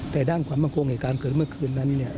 แต่ด้านความมั่นคงใช้การเกิดเมื่อคืนนั้น